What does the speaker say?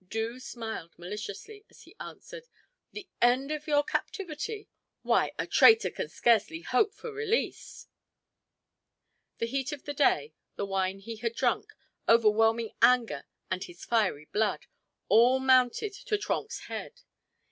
Doo smiled maliciously as he answered: "The end of your captivity? Why, a traitor can scarcely hope for release!" The heat of the day, the wine he had drunk, overwhelming anger and his fiery blood, all mounted to Trenck's head.